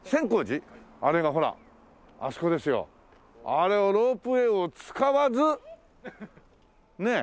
あれをロープウェーを使わずねえ。